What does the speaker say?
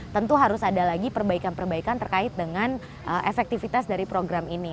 tentu harus ada lagi perbaikan perbaikan terkait dengan efektivitas dari program ini